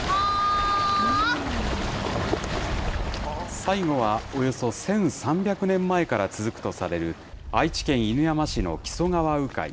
最後はおよそ１３００年前から続くとされる愛知県犬山市の木曽川鵜飼。